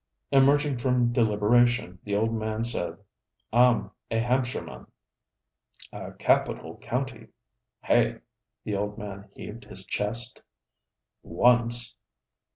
Emerging from deliberation, the old man said: 'Ah'm a Hampshireman.' 'A capital county!' 'Heigh!' The old man heaved his chest. 'Once!'